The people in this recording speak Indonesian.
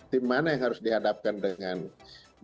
tim mana yang harus dihadapkan dengan berbagai tim